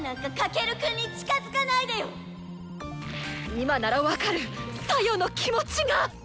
今なら分かるサヨの気持ちが！